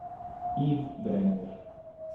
Eve Brenner